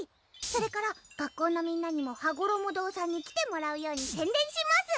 それから学校のみんなにもはごろも堂さんに来てもらうように宣伝します！